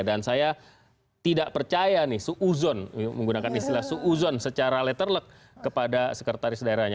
dan saya tidak percaya nih suuzon menggunakan istilah suuzon secara letter luck kepada sekretaris daerahnya